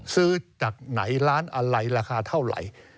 ซื้อจากไหนร้านอะไรราคาเท่าไหร่